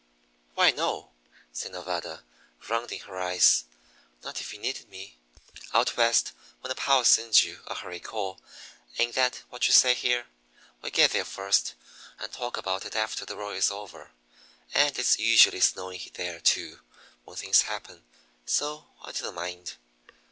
"Why, no," said Nevada, rounding her eyes. "Not if you needed me. Out West, when a pal sends you a hurry call ain't that what you say here? we get there first and talk about it after the row is over. And it's usually snowing there, too, when things happen. So I didn't mind."